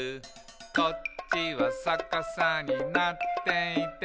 「こっちはさかさになっていて」